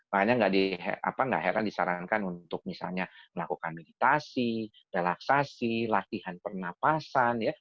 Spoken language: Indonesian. makanya nggak heran disarankan untuk misalnya melakukan meditasi relaksasi latihan pernapasan ya